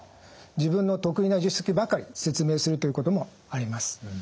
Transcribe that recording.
自分の得意な術式ばかり説明するということもあります。